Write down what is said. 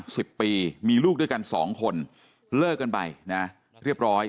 สิบปีมีลูกด้วยกันสองคนเลิกกันไปนะเรียบร้อย